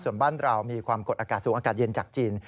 ส่วนบ้านเรามีความกดอากาศสูงอากาศเย็นจากจีน